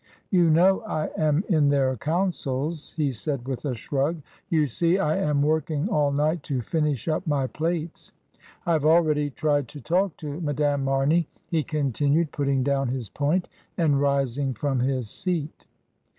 You know I am in their councils," he said with a shrug. "You see I am working all night to finish up my plates. I have already tried to talk to Madame Mamey," he continued, putting down his point and rising from his seat.